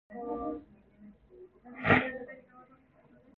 춘우는 영숙이 청아를 데리고 오지 않은 것이 속으로 다행하였다.